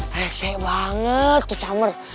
hesek banget tuh summer